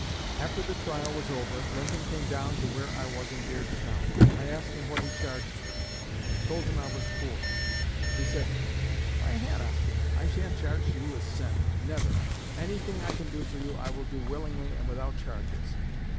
After the trial was over, Lincoln came down to where I was in Beardstown. I asked him what he charged me; told him I was poor. He said, 'Why, Hannah, I shan't charge you a cent never. Anything I can do for you I will do willingly and without charges.'